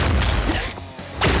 うっ！